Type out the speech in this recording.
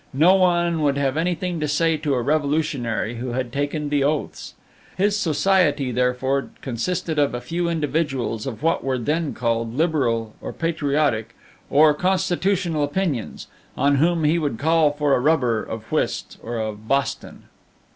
No one would have anything to say to a revolutionary who had taken the oaths. His society, therefore, consisted of a few individuals of what were then called liberal or patriotic, or constitutional opinions, on whom he would call for a rubber of whist or of boston.